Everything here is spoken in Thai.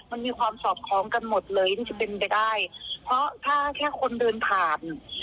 มันมีความสอดคล้องกันหมดเลยนี่จะเป็นไปได้เพราะถ้าแค่คนเดินผ่าน